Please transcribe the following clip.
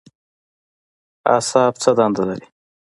اعصاب څه دنده لري؟